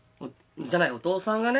じゃないお父さんがね。